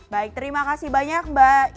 baik terima kasih banyak mbak